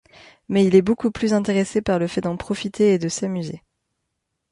Mais il est beaucoup plus intéressé par le fait d'en profiter et de s'amuser...